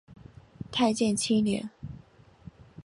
太建七年。